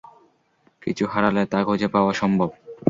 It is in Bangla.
কিছু হারালে, তা খুঁজে পাওয়া সম্ভব।